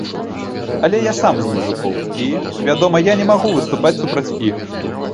Але я сам з мужыкоў, і, вядома, я, не магу выступаць супраць іх.